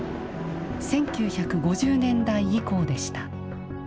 １９５０年代以降でした。